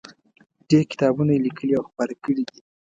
ډېر کتابونه یې لیکلي او خپاره کړي دي.